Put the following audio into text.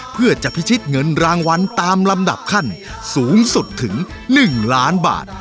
เพื่อจะพิชิตเงินรางวัลตามลำดับขั้นสูงสุดถึง๑ล้านบาท